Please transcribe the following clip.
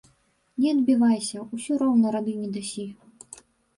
Не адбівайся, усё роўна рады не дасі.